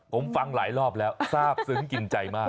ผมฟังหลายรอบแล้วทราบซึ้งกินใจมาก